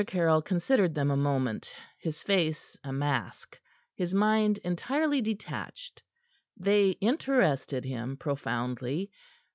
Caryll considered them a moment, his face a mask, his mind entirely detached. They interested him profoundly.